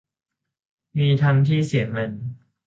มีทั้งที่เสียเงิน